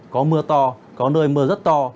có mưa to có nơi mưa rất to